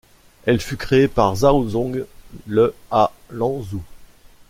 Elle fut créée par Zhaozhong le à Lanzhou.